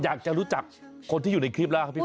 อยากจะรู้จักคนที่อยู่ในคลิปแล้วครับพี่ป